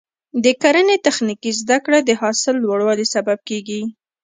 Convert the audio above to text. د کرنې تخنیکي زده کړه د حاصل لوړوالي سبب کېږي.